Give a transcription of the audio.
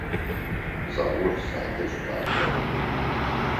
Заур садэжь къэкӏо.